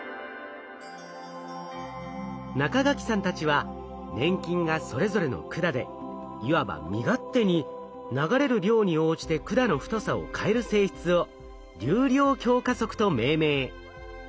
中垣さんたちは粘菌がそれぞれの管でいわば身勝手に流れる量に応じて管の太さを変える性質を「流量強化則」と命名。